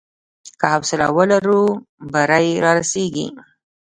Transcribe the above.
که حوصله ولرو، بری رارسېږي.